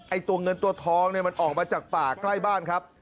ตัวเงินตัวทองเนี่ยมันออกมาจากป่าใกล้บ้านครับ